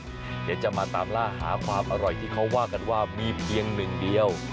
เดี๋ยวจะมาตามล่าหาความอร่อยที่เขาว่ากันว่ามีเพียงหนึ่งเดียว